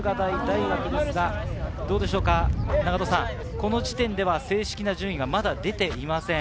この時点では正式な順位はまだ出ていません。